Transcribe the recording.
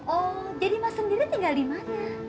oh jadi mas sendiri tinggal dimana